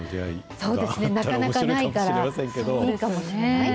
そうですね、なかなかないからいいかもしれない。